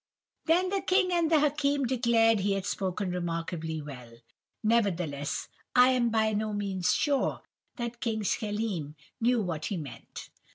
"Then King and the Hakim declared he had spoken remarkably well; nevertheless I am by no means sure that King Schelim knew what he meant.